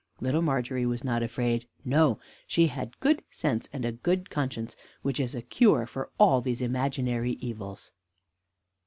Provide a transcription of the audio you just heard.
Little Margery was not afraid; no, she had good sense, and a good conscience, which is a cure for all these imaginary evils.